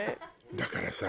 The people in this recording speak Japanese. だからさ